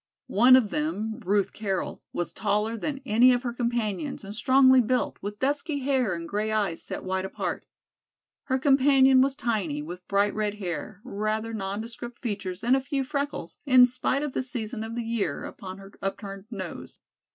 One of them, Ruth Carroll, was taller than any of her companions and strongly built, with dusky hair and grey eyes set wide apart. Her companion was tiny, with bright red hair, rather nondescript features and a few freckles, in spite of the season of the year, upon her upturned nose.